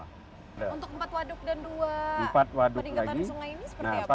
untuk empat waduk dan dua peningkatan sungai ini seperti apa